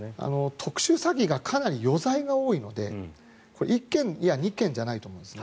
特殊詐欺がかなり余罪が多いので１件や２件じゃないと思うんですね。